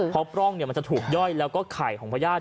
เพราะปล้องมันจะถูกย่อยแล้วก็ไข่ของพญาติ